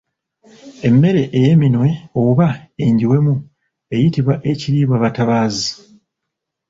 Emmere ey'eminwe oba engiwemu eyitibwa ekiriibwabatabaazi.